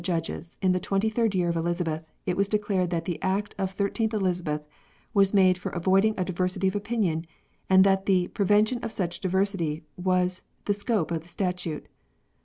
73 judges, in the twenty third year of Elizabeth, it was declared that the Act of 13th Elizabeth was made for avoiding a diversity of opinion, and that the " prevention of such diversity was the scope of the statute."